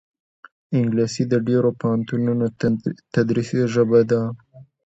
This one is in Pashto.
انګلیسي د ډېرو پوهنتونونو تدریسي ژبه ده